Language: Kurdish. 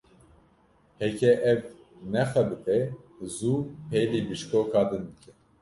Heke ev nexebite, zû pêlî bişkoka din bike.